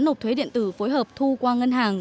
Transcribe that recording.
nộp thuế điện tử phối hợp thu qua ngân hàng